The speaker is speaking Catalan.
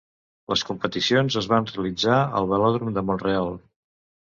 Les competicions es van realitzar al Velòdrom de Mont-real.